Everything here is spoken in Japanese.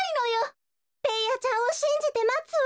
ベーヤちゃんをしんじてまつわ。